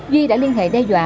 duy đã liên hệ đe dọa